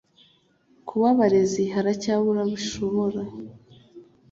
Kuba abarezi batacyubahwa bishobora